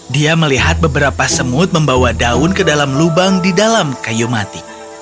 dia melihat beberapa semut membawa daun ke dalam lubang di dalam kayu mati